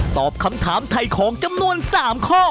ตอบคำถามไถ่ของจำนวน๓ข้อ